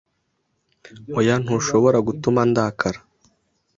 Oya, ntushobora gutuma ndakara